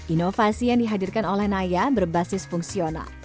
inovasi yang dihadirkan oleh naya berbasis fungsional